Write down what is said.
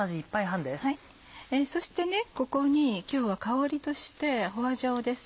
そしてここに今日は香りとして花椒です。